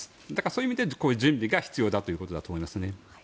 そういう意味で準備が必要だということだと思いますね。